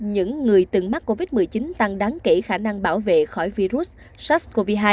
những người từng mắc covid một mươi chín